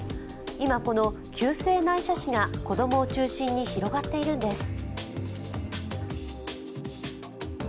今、この急性内斜視が子供を中心に広がっているんです。